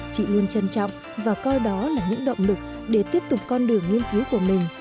chị luôn trân trọng và coi đó là những động lực để tiếp tục con đường nghiên cứu của mình